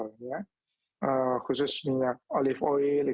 sebenarnya apapun minyaknya tetap akan menyebabkan pembuluh darah di otak